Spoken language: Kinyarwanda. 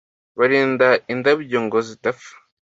Barinda indabyo ngo zidapfa